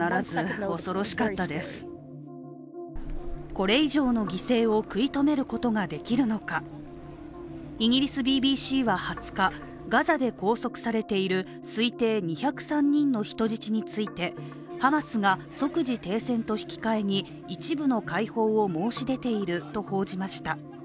これ以上の犠牲を食い止めることができるのかイギリスＢＢＣは２０日、ガザで拘束されている推定２０３人の人質についてハマスが即時停戦と引き換えに一部の解放を申し出ていると報じました。